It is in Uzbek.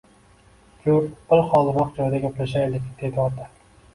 Jur, bir xoliroq joyda gaplashayik, dedi ota